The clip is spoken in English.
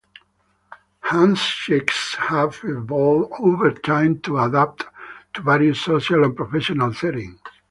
"Handshakes have evolved over time to adapt to various social and professional settings.